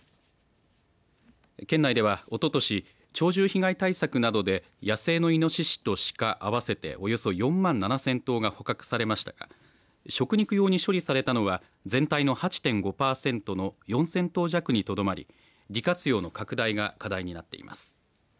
県内では、おととし鳥獣被害対策などで野生のいのししと鹿合わせておよそ４万７０００頭が捕獲されましたが食肉用に処理されたのは全体の８．５パーセントの４０００頭弱にとどまり利活用の拡大が課題になっています。